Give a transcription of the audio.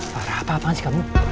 farah apa apaan sih kamu